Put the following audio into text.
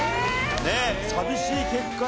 寂しい結果よ。